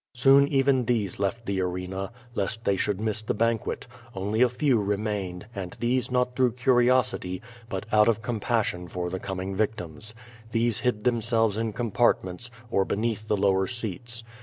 Soon even these left the arena, lest they should miss the banquet; only a few remained^ and these not through curiosity^ but out of com 436 Q^O VADI8. passion for the coming victims. These hid themselves in compartments, or beneath the lower seats.